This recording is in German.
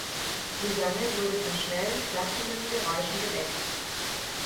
Susanne wurde von schnellen, klatschenden Geräuschen geweckt.